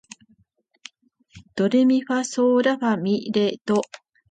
ドレミファソーラファ、ミ、レ、ドー